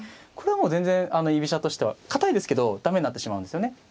これは全然居飛車としては堅いですけど駄目になってしまうんですよね。